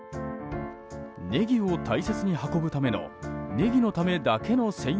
ネギを大切に運ぶためのネギのためだけの専用